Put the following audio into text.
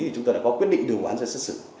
thì chúng tôi đã có quyết định đưa vụ án ra xét xử